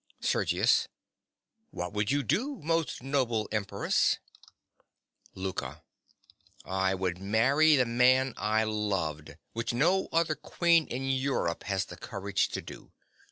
SERGIUS. What would you do, most noble Empress? LOUKA. I would marry the man I loved, which no other queen in Europe has the courage to do.